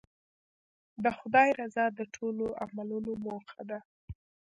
د خدای رضا د ټولو عملونو موخه ده.